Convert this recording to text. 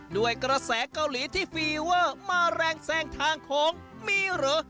ด้วยกระแสเกาหลีที่ฟีเวอร์มาแรงแซงทางโค้งมีเหรอ